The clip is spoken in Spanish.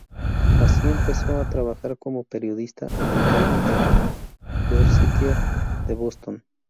Así, empezó a trabajar como periodista en el Daily Advertiser de Boston.